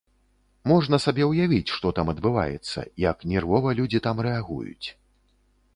Можна сабе ўявіць, што там адбываецца, як нервова людзі там рэагуюць.